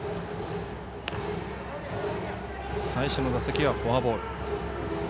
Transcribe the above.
最初の打席はフォアボール。